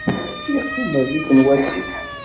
Yeqqim rrif n wasif.